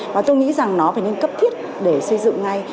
và tôi nghĩ rằng nó phải nên cấp thiết để xây dựng ngay